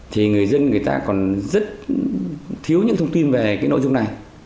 thì người dân người ta còn rất thiếu những thông tin về cái nội dung này